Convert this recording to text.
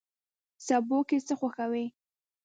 سبو کی څه خوښوئ؟